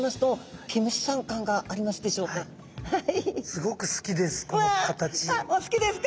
すごく好きです